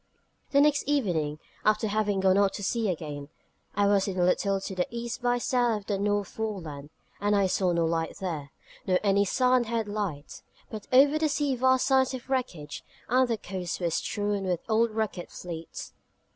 The next evening, after having gone out to sea again, I was in a little to the E. by S. of the North Foreland: and I saw no light there, nor any Sandhead light; but over the sea vast signs of wreckage, and the coasts were strewn with old wrecked fleets.